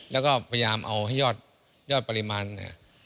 แล้วก็พยายามเอาให้ยอดปริมาณเนี่ย